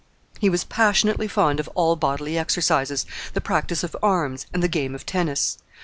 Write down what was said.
He was passionately fond of all bodily exercises, the practice of arms, and the game of tennis.